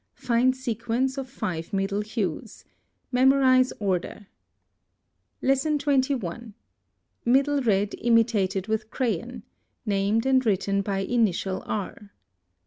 Find sequence of five middle hues. Memorize order. 21. Middle red imitated with crayon, named and written by initial R.